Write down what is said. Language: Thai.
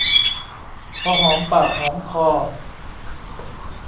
พอหอมปากหอมคอ